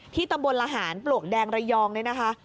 ที่ตำบลอาหารปลวกแดงเรียองนี่นะคะ